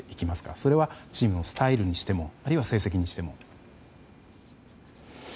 それはチームのスタイルにしてもあるいは成績にしても。